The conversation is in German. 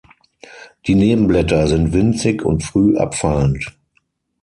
Die Nebenblätter sind winzig und früh abfallend.